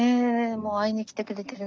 もう会いに来てくれてるのか。